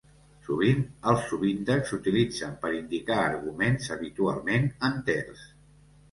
Sovint els subíndexs s'utilitzen per indicar arguments, habitualment enters.